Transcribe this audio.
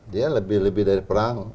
dia lebih dari perang